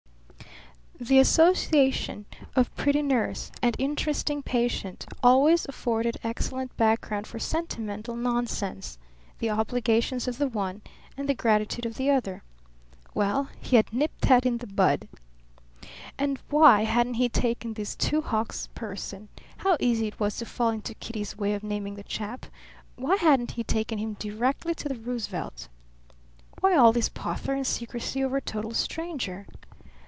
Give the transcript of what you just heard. The association of pretty nurse and interesting patient always afforded excellent background for sentimental nonsense, the obligations of the one and the gratitude of the other. Well, he had nipped that in the bud. And why hadn't he taken this Two Hawks person how easy it was to fall into Kitty's way of naming the chap! why hadn't he taken him directly to the Roosevelt? Why all this pother and secrecy over a total stranger?